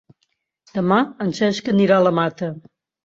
Demà en Cesc anirà a la Mata.